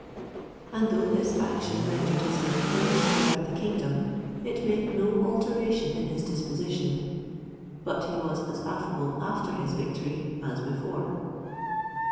And though this action rendered his name famous throughout the kingdom, it made no alteration in his disposition; but he was as affable after his victory as before.